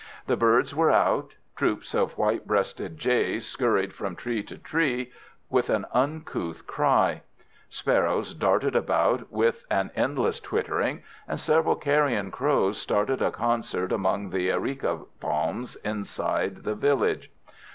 The birds were out: troops of white breasted jays scurried from tree to tree, with an uncouth cry; sparrows darted about with an endless twittering; and several carrion crows started a concert among the areca palms inside the village.